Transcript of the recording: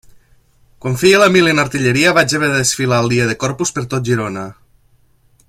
Quan feia la mili en artilleria vaig haver de desfilar el dia de Corpus per tot Girona.